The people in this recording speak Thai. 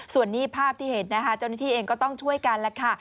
ส่วนนี้ภาพที่เห็นนะคะเจ้าหน้าที่เองก็ต้องช่วยกันแล้วค่ะ